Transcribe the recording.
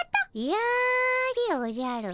やでおじゃる。